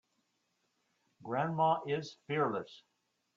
Grandma is fearless.